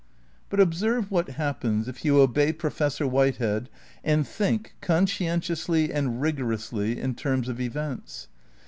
But observe what happens if you obey Professor Whitehead and think, conscientiously and rigorously, in terms of events.